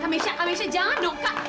kak mesya kak mesya jangan dong kak